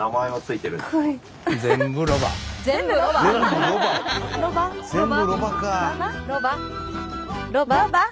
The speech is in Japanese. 全部ロバ。